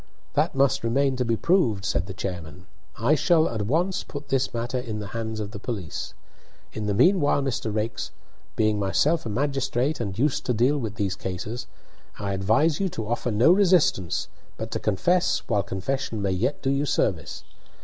"That must remain to be proved," said the chairman. "I shall at once put this matter in the hands of the police. In the meanwhile, Mr. Raikes, being myself a magistrate and used to deal with these cases, I advise you to offer no resistance but to confess while confession may yet do you service.